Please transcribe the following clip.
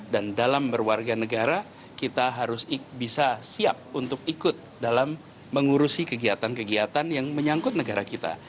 dan dalam berwarga negara kita harus bisa siap untuk ikut dalam mengurusi kegiatan kegiatan yang menyangkut negara kita